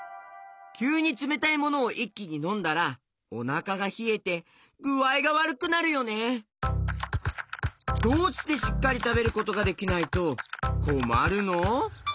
きゅうにつめたいものをいっきにのんだらおなかがひえてどうしてしっかりたべることができないとこまるの？